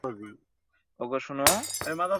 ওগো, শুনো।